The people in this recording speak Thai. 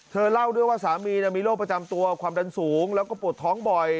เล่าด้วยว่าสามีมีโรคประจำตัวความดันสูงแล้วก็ปวดท้องบ่อย